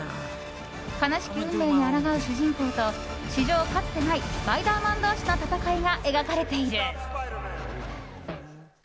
悲しき運命にあらがう主人公と史上かつてないスパイダーマン同士の戦いが描かれている。